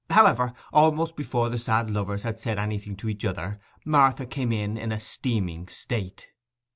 However, almost before the sad lovers had said anything to each other, Martha came in in a steaming state.